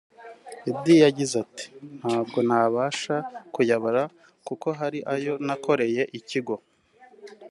Idi yagize Ati “ Ntabwo nabasha kuyabara kuko hari ayo nakoreye ikigo